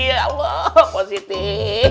ya allah positif